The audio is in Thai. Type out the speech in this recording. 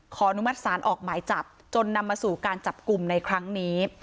อนุมัติศาลออกหมายจับจนนำมาสู่การจับกลุ่มในครั้งนี้